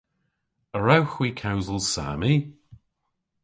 A wrewgh hwi kewsel Saami?